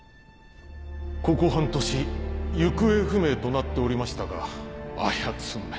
ここ半年行方不明となっておりましたがあやつめ